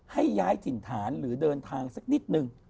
ให้ย้ายถิ่นฐานหรือเดินทางสักนิดนึง